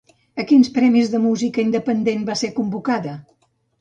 A quins premis de música independent va ser convocada?